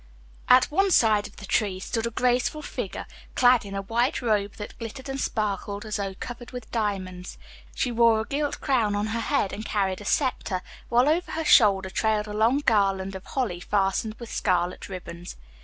At one side of the tree stood a graceful figure clad in a white robe that glittered and sparkled as though covered with diamonds. She wore a gilt crown on her head and carried a scepter, while over her shoulder trailed a long garland of holly fastened with scarlet ribbons.